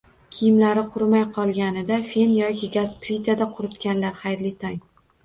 Kiyimlari qurimay qolgani-da, Fen yoki gaz plitasida quritganlar, xayrli tong!